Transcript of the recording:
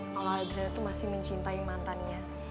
kalau adriana tuh masih mencintai mantannya